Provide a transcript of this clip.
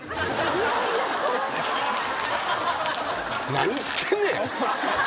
何してんねん。